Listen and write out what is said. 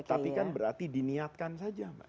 tapi kan berarti diniatkan saja mbak